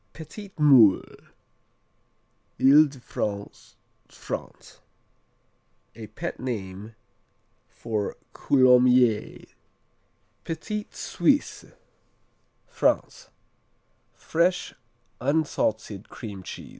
Petit Moule Ile de France, France A pet name for Coulommiers. Petit Suisse France Fresh, unsalted cream cheese.